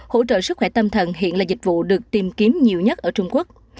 hỗ trợ sức khỏe tâm thần hiện là dịch vụ được tìm kiếm nhiều nhất ở trung quốc